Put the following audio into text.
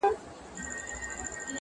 • چي له ډېري خاموشۍ یې غوغا خېژې..